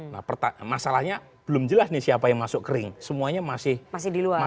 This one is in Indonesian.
nah masalahnya belum jelas nih siapa yang masuk ke ring semuanya masih di ruang ring